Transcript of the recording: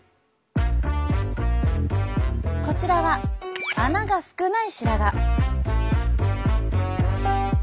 こちらは穴が少ない白髪。